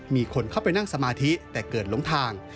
มีคนเข้าไปนั่งสมาธิแต่เกิดล้มทาง